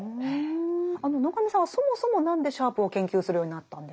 中見さんはそもそも何でシャープを研究するようになったんですか？